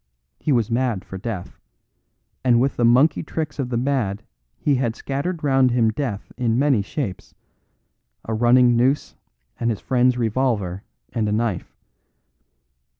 He was mad for death, and with the monkey tricks of the mad he had scattered round him death in many shapes a running noose and his friend's revolver and a knife.